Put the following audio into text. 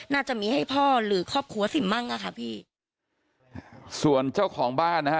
น่าจะมีให้พ่อหรือครอบครัวสิมมั่งอ่ะค่ะพี่ส่วนเจ้าของบ้านนะฮะ